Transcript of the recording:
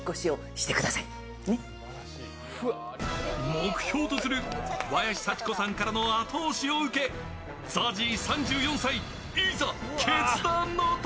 目標とする小林幸子さんからの後押しを受けＺＡＺＹ、３４歳、いざ、決断の時。